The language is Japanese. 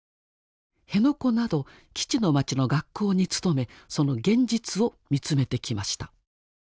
辺野古など基地の町の学校に勤めその現実を見つめてきました。